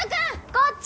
こっち！